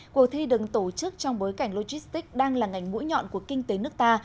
cuộc thi đừng tổ chức trong bối cảnh logistics đang là ngành mũi nhọn của kinh tế nước ta